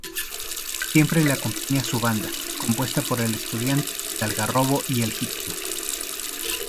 Siempre le acompaña su banda, compuesta por "El Estudiante", "El Algarrobo" y "El Gitano".